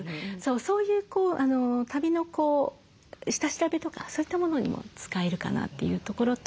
そういう旅の下調べとかそういったものにも使えるかなというところと。